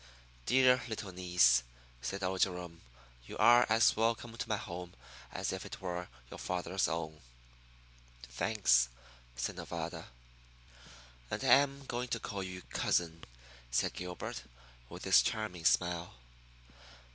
"Dear little niece," said old Jerome, "you are as welcome to my home as if it were your father's own." "Thanks," said Nevada. "And I am going to call you 'cousin,'" said Gilbert, with his charming smile.